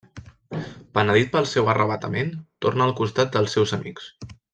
Penedit pel seu arravatament, torna al costat dels seus amics.